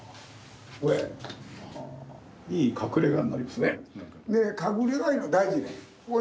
・いい隠れ家になりますね。